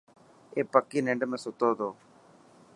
اي پڪي ننڊ ۾ ستو تو.